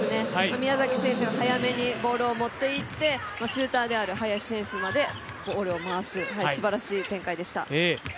宮崎選手が早めにボールを持っていってシューターである林選手までボールを回す、すばらしい展開でした。